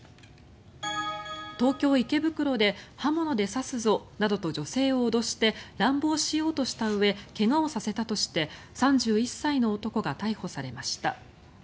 東京・池袋で刃物で刺すぞなどと女性を脅して乱暴しようとしたうえ怪我をさせたとして３１歳の男が逮捕されました。